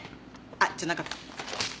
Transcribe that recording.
あっじゃなかった。